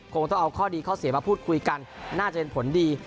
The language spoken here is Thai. คงต้องเอาข้อดีข้อเสียมาพูดคุยกันน่าจะเป็นผลดี